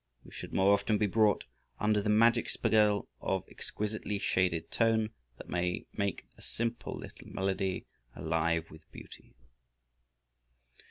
We should more often be brought under the magic spell of exquisitely shaded tone that may make a simple little melody alive with beauty.